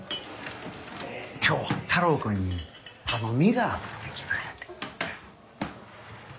今日は太郎くんに頼みがあって来たんやて。